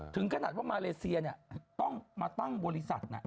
ถึงขนาดว่ามาเลเซียต้องมาตั้งบริษัท